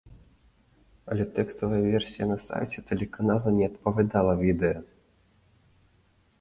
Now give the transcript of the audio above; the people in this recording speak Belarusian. Але тэкставая версія на сайце тэлеканала не адпавядала відэа.